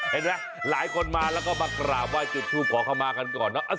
เห็นไหมหลายคนมาแล้วก็มากราบว่าจุดทูบขอข้าวมากันก่อนเนาะ